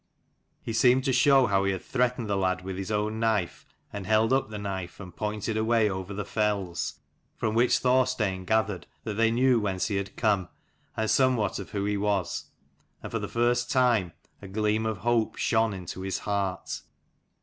He seemed to show how he had threatened the lad with his own knife, and held up the knife, and pointed away over the fells : from which Thorstein gathered that they knew whence he had come and somewhat of who he was : and for the first time a gleam of hope shone into his heart.